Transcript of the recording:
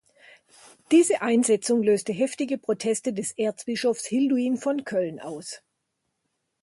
Diese Einsetzung löste heftige Proteste des Erzbischofs Hilduin von Köln aus.